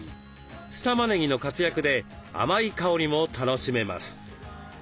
酢たまねぎの活躍で甘い香りも楽しめます。